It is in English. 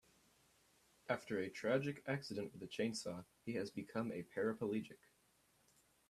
After a tragic accident with a chainsaw he has become a paraplegic.